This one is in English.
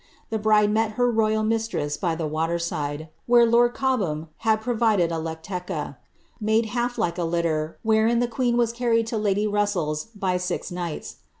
The hride mot her royal mistress by the waler side, where lord Cobham hiiJ provided a Irclica, made half like a liller, wherein ihe queen was carriea to lady Hussell's, by six knights.